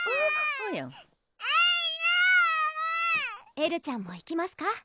エルちゃんも行きますか？